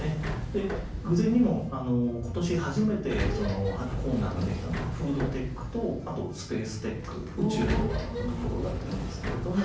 で偶然にも今年初めてコーナーができたのがフードテックとあとスペーステック宇宙のところだったんですけれども。